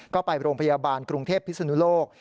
ก็ไปโรงพยาบาลกรุงเทพพิศนุโลก